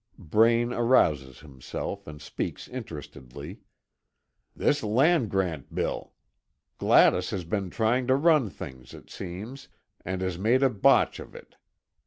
Braine arouses himself, and speaks interestedly: "This land grant bill! Gladys has been trying to run things, it seems, and has made a botch of it.